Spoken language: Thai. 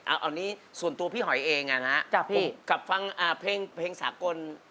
อันนี้ส่วนตัวพี่หอยเองกับฟังเพลงสากล